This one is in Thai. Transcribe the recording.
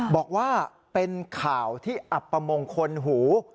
บอกว่าเป็นข่าวที่อับประมงคลหู